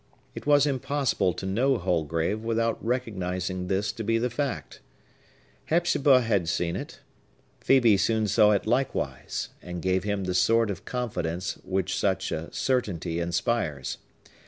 It was impossible to know Holgrave without recognizing this to be the fact. Hepzibah had seen it. Phœbe soon saw it likewise, and gave him the sort of confidence which such a certainty inspires.